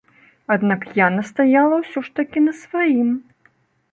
Аднак я настаяла ўсё ж такі на сваім.